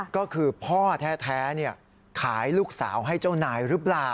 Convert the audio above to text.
ก็คือพ่อแท้ขายลูกสาวให้เจ้านายหรือเปล่า